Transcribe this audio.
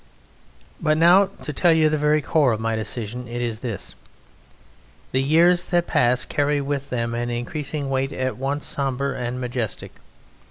But now, to tell you the very core of my decision, it is this: The years that pass carry with them an increasing weight at once sombre and majestic.